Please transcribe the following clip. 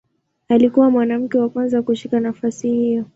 Alikuwa mwanamke wa kwanza kushika nafasi hiyo.